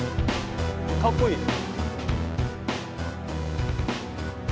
かっこいい！